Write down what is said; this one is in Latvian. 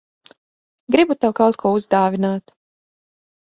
Gribu tev kaut ko uzdāvināt.